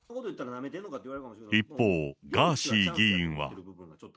一方、ガーシー議員は。